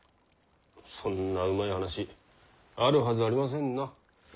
そんなうまい話あるはずありませんな。